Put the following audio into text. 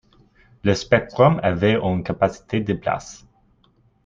Le Spectrum avait une capacité de places.